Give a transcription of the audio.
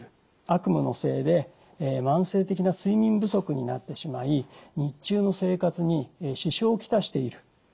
悪夢のせいで慢性的な睡眠不足になってしまい日中の生活に支障を来している。